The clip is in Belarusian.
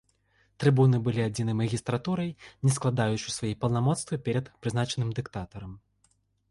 Трыбуны былі адзінай магістратурай, не складаючай свае паўнамоцтвы перад прызначаным дыктатарам.